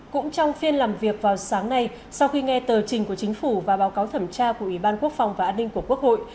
cũng trong phiên làm việc vào sáng nay sau khi nghe tờ trình của chính phủ và báo cáo thẩm tra của ủy ban quốc phòng và an ninh của quốc hội